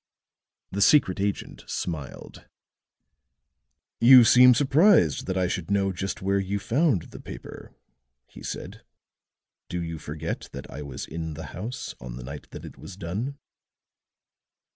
The secret agent smiled. "You seem surprised that I should know just where you found the paper," he said. "Do you forget that I was in the house on the night that it was done?"